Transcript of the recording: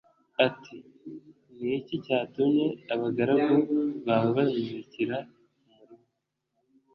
ati “Ni iki cyatumye abagaragu bawe bantwikira umurima?”